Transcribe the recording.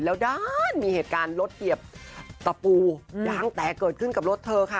แล้วด้านมีเหตุการณ์รถเหยียบตะปูย้างแตกเกิดขึ้นกับรถเธอค่ะ